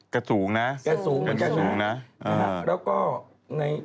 กระสูงนะ